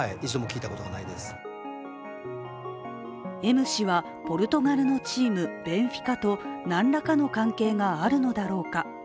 Ｍ氏はポルトガルのチームベンフィカと何らかの関係があるのだろうか。